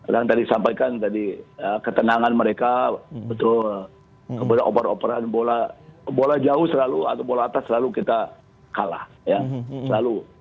yang tadi sampaikan tadi ketenangan mereka betul kemudian oper operan bola jauh selalu atau bola atas selalu kita kalah ya selalu